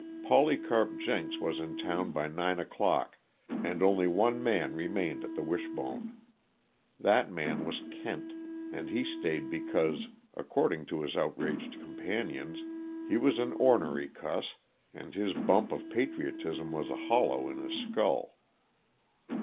Polycarp Jenks was in town by nine o'clock, and only one man remained at the Wishbone. That man was Kent, and he stayed because, according to his outraged companions, he was an ornery cuss, and his bump of patriotism was a hollow in his skull.